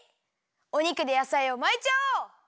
お肉でやさいをまいちゃおう！